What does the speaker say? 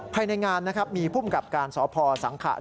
ภายในงานนะครับมีภูมิกับการสพสังขะ